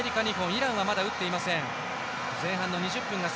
イランはまだ打っていません。